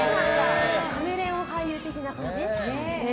カメレオン俳優的な感じ？